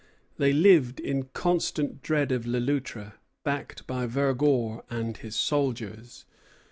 They lived in constant dread of Le Loutre, backed by Vergor and his soldiers.